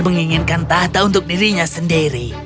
menginginkan tahta untuk dirinya sendiri